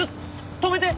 止めて！